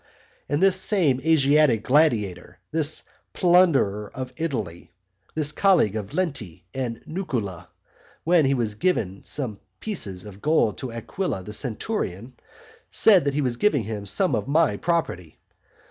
And this same Asiatic gladiator, this plunderer of Italy, this colleague of Lenti and Nucula, when he was giving some pieces of gold to Aquila the centurion, said that he was giving him some of my property.